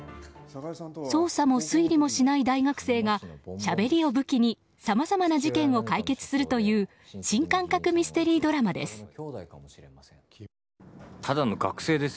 捜査も推理もしない大学生がしゃべりを武器にさまざまな事件を解決するという新感覚ミステリードラマです。